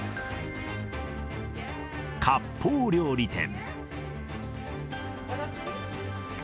かっぽう料理店。